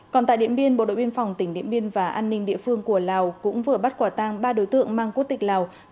còn tại điện biên bộ đội biên phòng tỉnh điện biên và an ninh địa phương của lào cũng vừa bắt quả tang ba đối tượng mang quốc tịch lào